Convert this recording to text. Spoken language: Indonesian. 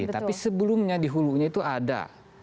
tapi sebelumnya di hulunya itu ada